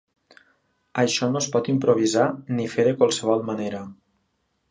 Això no es pot improvisar ni fer de qualsevol manera.